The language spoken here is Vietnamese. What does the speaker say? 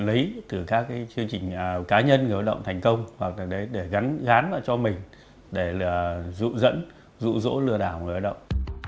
họ lấy từ các chương trình cá nhân người lao động thành công hoặc là để gắn vào cho mình để là dụ dẫn dụ dỗ lừa đảo người lao động